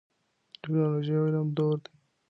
د ټیکنالوژۍ او علم دور دی.